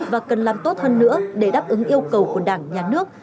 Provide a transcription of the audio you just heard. và cần làm tốt hơn nữa để đáp ứng yêu cầu của đảng nhà nước